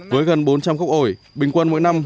với gần bốn trăm linh gốc ổi bình quân mỗi năm